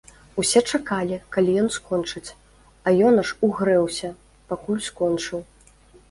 Усе чакалі, калі ён скончыць, а ён аж угрэўся, пакуль скончыў.